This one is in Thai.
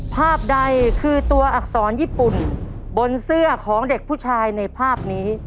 ภาพใดคือตัวอักษรญี่ปุ่นบนเสื้อของเด็กผู้ชายในภาพนี้